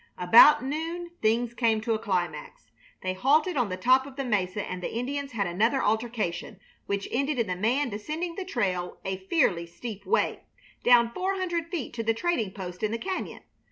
About noon things came to a climax. They halted on the top of the mesa, and the Indians had another altercation, which ended in the man descending the trail a fearfully steep way, down four hundred feet to the trading post in the cañon.